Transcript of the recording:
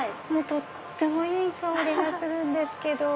とってもいい香りがするんですけど。